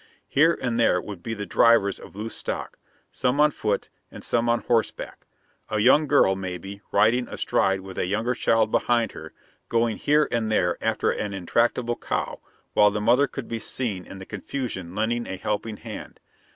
Here and there would be the drivers of loose stock, some on foot and some on horseback: a young girl, maybe, riding astride and with a younger child behind her, going here and there after an intractable cow, while the mother could be seen in the confusion lending a helping hand.